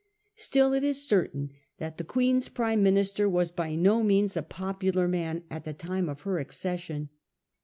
Still, it is certain that the Queen's Prime Minister was by no means a popular man at the time of her accession.